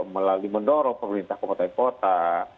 melalui mendorong pemerintah kabupaten kota